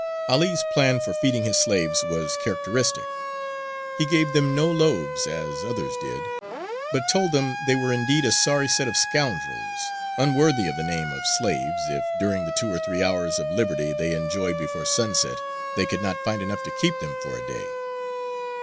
'Ali's plan for feeding his slaves was characteristic. He gave them no loaves as others did, but told them they were indeed a sorry set of scoundrels, unworthy of the name of slaves, if, during the two or three hours of liberty they enjoyed before sunset, they could not find enough to keep them for a day.